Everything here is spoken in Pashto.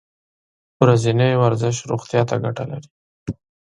ورځنی ورزش روغتیا ته ګټه لري.